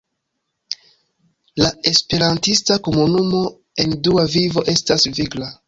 La esperantista komunumo en Dua Vivo estas vigla.